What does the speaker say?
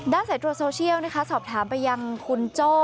ด้านสายตัวโซเชียลสอบถามไปยังคุณโจ้